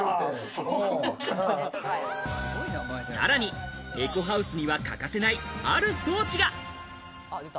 さらにエコハウスには欠かせない、ある装置が。